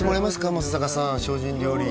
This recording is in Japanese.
松坂さん精進料理